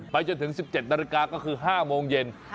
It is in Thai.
จนถึง๑๗นาฬิกาก็คือ๕โมงเย็น